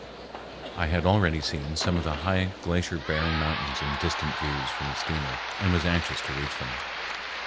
I had already seen some of the high glacier bearing mountains in distant views from the steamer, and was anxious to reach them.